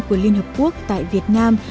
của liên hợp quốc tại việt nam